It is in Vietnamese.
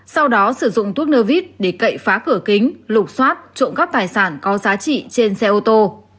sau đó sử dụng thuốc nơ vít để cậy phá cửa kính lục xoát trộm cắp tài sản có giá trị trên xe ô tô